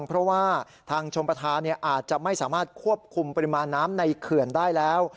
เพราะว่าทางชมประธานอาจจะไม่สามารถควบคุมปริมาณน้ำในเขื่อนได้แล้ว